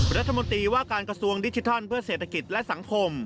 รัฐมนตรีว่าการกระทรวงดิจิทัลเพื่อเศรษฐกิจและสังคม